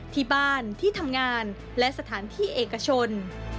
ที่บ้านที่ทำงานและสถานที่เอกชน